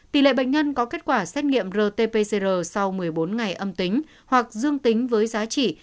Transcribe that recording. tỷ lệ bệnh nhân có kết quả xét nghiệm rt pcr sau một mươi bốn ngày âm tính hoặc dương tính với giá trị